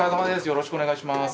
よろしくお願いします。